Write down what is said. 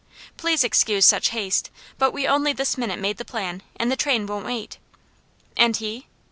Please excuse such haste, but we only this minute made the plan, and the train won't wait.'" "And he?"